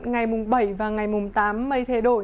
ngày mùng bảy và ngày mùng tám mây thay đổi